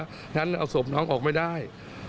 ฉะนั้นเอาสบน้องออกไม่ได้